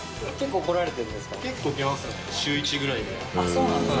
そうなんですか。